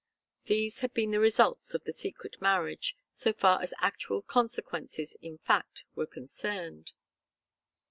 These had been the results of the secret marriage, so far as actual consequences in fact were concerned.